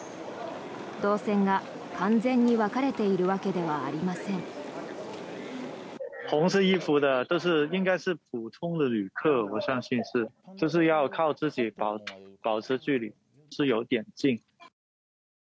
動線が完全に分かれているわけではありません。